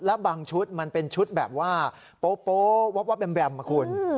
แล้วบางชุดมันเป็นชุดแบบว่าโป๊วับแบมนะคุณ